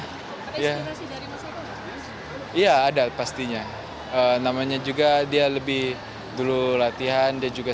ada inspirasi dari mas eko iya ada pastinya namanya juga dia lebih dulu latihan dia juga